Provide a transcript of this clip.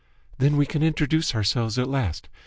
"Then we can introduce ourselves at last.